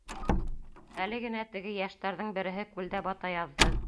Әле генә теге йәштәрҙең береһе күлдә бата яҙҙы!